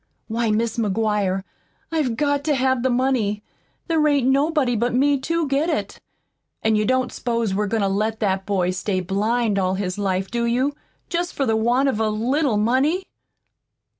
Why, Mis' McGuire, I've got to have the money. There ain't nobody but me TO get it. An' you don't s'pose we're goin' to let that boy stay blind all his life, do you, jest for the want of a little money?"